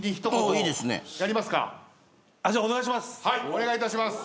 お願いいたします。